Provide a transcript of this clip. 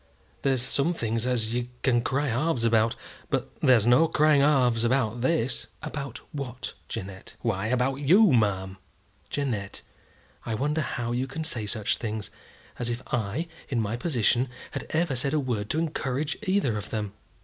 There's some things as you can cry halves about, but there's no crying halves about this." "About what, Jeannette?" "Why, about you, ma'am." "Jeannette, I wonder how you can say such things; as if I, in my position, had ever said a word to encourage either of them.